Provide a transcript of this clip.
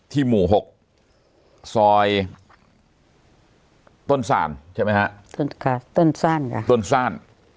ที่หมู่หกซอยต้นซานใช่ไหมฮะต้นซานค่ะต้นซาน